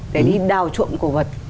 để đi đào trộn cổ vật